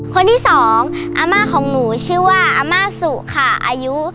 คนที่สองอาม่าของหนูชื่อว่าอาม่าสุค่ะอายุ